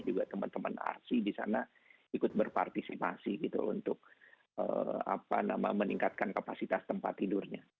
juga teman teman arsi di sana ikut berpartisipasi gitu untuk meningkatkan kapasitas tempat tidurnya